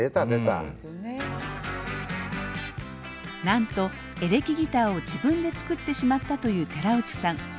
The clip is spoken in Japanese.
なんとエレキギターを自分で作ってしまったという寺内さん。